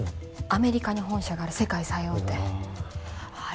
アメリカに本社がある世界最大手うわあ